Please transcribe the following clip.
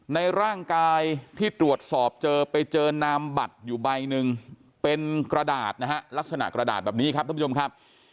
ในร่างกายที่ตรวจสอบเจอไปเจอนามบัตรอยู่ใบหนึ่งเป็นกระดาษนะฮะลักษณะกระดาษแบบนี้ครับท่านผู้ชมครับ